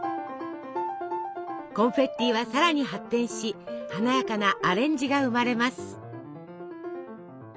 コンフェッティはさらに発展し華やかなアレンジが生まれます。